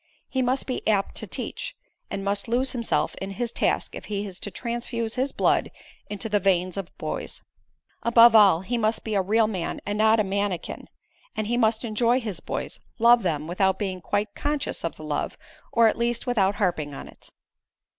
He must be 'apt to teach,' and must lose himself in his task if he is to transfuse his blood into the veins of boys. Above all, he must be a real man and not a manikin, and he must enjoy his boys love them, without being quite conscious of the love, or at least without harping on it.